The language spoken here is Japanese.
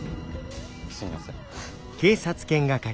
すいません。